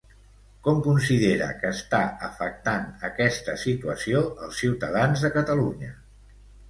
Com considera que està afectant aquesta situació als ciutadans de Catalunya?